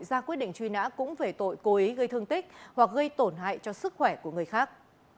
ra quyết định truy nã cũng về tội cố ý gây thương tích hoặc gây tổn hại cho sức khỏe của người khác